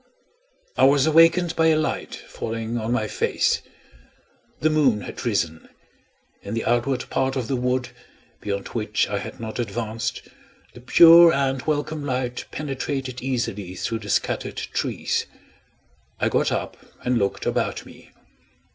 I was awakened by a light falling on my face. The moon had risen. In the outward part of the wood, beyond which I had not advanced, the pure and welcome light penetrated easily through the scattered trees. I got up and looked about me.